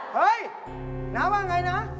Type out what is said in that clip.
เฮ้ยน้าว่าอย่างไรน้า